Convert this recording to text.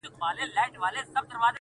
• په هر ځای کي چي مي وغواړی حضور یم,